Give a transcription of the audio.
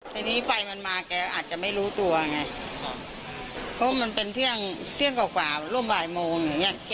ทีนี้ไฟมันมาแกอาจจะไม่รู้ตัวไงเพราะมันเป็นเที่ยงเที่ยงเกาะกว่าร่วมหลายโมง